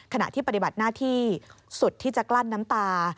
ขณะที่ปฏิบัติหน้าที่สุดที่จะกลั้นน้ำตา